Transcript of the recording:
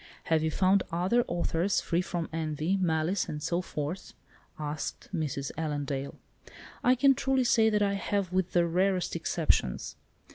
"Have you found other authors free from envy, malice, and so forth?" asked Mrs. Allendale. "I can truly say that I have, with the rarest exceptions.